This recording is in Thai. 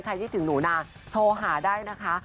คิดถึงหนูนาโทรหาได้นะคะ